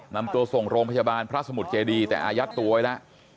นำตัวส่งโรงพยาบาลพระสมุทรเจดีแต่อายัดตัวไว้แล้ว